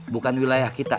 bukan wilayah kita